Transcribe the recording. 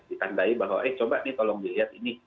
ditandai bahwa eh coba nih tolong dilihat ini